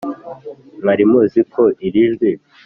mwari muzi ko iri jwi